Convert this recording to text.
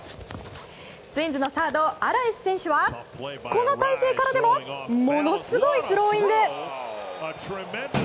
ツインズのサードアラエス選手はこの体勢からでもものすごいスローイング！